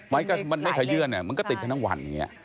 มันไว้ไม่ค่อยเยื่อนมันก็ติดนั้นทั้งวัน